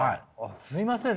すみません